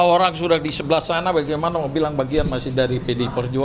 orang sudah di sebelah sana bagaimana mau bilang bagian masih dari pdi perjuangan